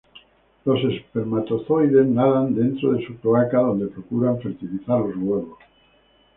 Los espermatozoides nadan dentro de su cloaca donde procuran fertilizar los huevos.